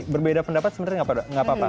berbeda pendapat sebenarnya nggak apa apa